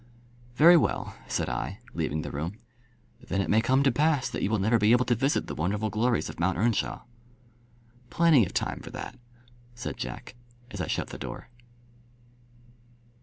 "Very well," said I, leaving the room. "Then it may come to pass that you will never be able to visit the wonderful glories of Mount Earnshawe." "Plenty of time for that," said Jack, as I shut the door.